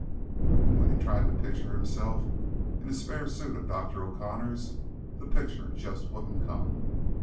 And when he tried to picture himself in a spare suit of Dr. O'Connor's, the picture just wouldn't come.